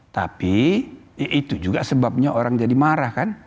tapi itu juga sebabnya orang jadi marah kan